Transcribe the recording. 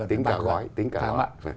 tính cả gói